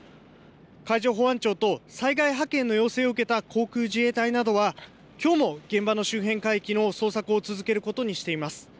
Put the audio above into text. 海上保安庁と災害派遣の要請を受けた航空自衛隊などは、きょうも現場の周辺海域の捜索を続けることにしています。